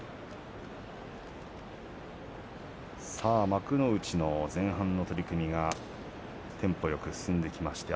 幕内の前半の取組がテンポよく進んできました。